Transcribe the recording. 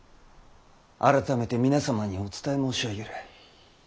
改めて皆様にお伝え申し上げる。